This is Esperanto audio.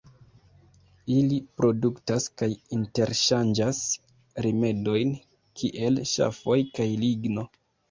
Ili produktas kaj interŝanĝas rimedojn kiel ŝafoj kaj ligno.